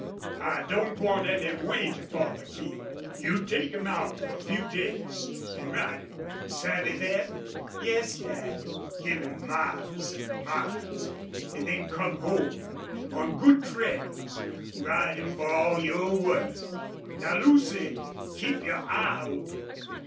I don't want any weight up on the King. You take him out for a few days. An' ride him! Savvy thet?" "Yes, Dad." "Give him miles an' miles an' then comin' home, on good trails, ride him for all your worth.... Now, Lucy, keep your eye open.